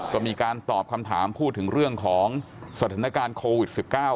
ก็มีการตอบคำถามพูดถึงเรื่องของสถานการณ์โควิด๑๙